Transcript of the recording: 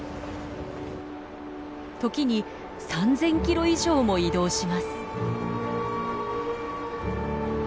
時に３，０００キロ以上も移動します。